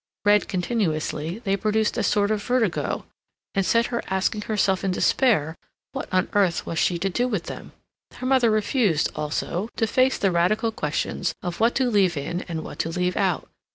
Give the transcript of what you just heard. Read continuously, they produced a sort of vertigo, and set her asking herself in despair what on earth she was to do with them? Her mother refused, also, to face the radical questions of what to leave in and what to leave out.